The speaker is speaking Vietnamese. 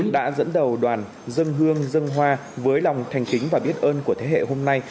đã dẫn đầu đoàn dân hương dân hoa với lòng thành kính và biết ơn của thế hệ hôm nay